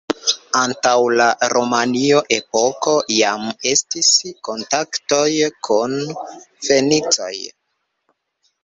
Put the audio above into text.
Antaŭ la romia epoko jam estis kontaktoj kun fenicoj.